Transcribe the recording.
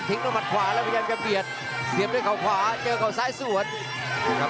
ทิ้งต้นผ่านขวาแล้วพยายามจะเปลี่ยนเสียบด้วยเขาขวาเจอเขาซ้ายส่วน